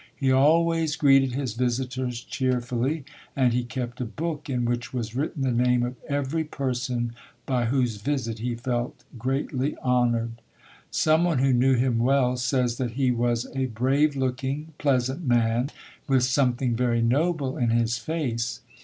He always greeted his visitors cheerfully, and he BENJAMIN BANNEKER [ 159 kept a book in which was written the name of every person by whose visit he felt greatly honored. Some one who knew him well says that he was a brave looking, pleasant man with something very noble in his face.